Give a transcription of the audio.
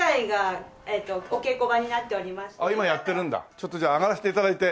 ちょっとじゃあ上がらせて頂いて。